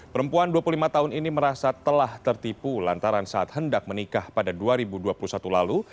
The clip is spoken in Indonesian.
perempuan dua puluh lima tahun ini merasa telah tertipu lantaran saat hendak menikah pada dua ribu dua puluh satu lalu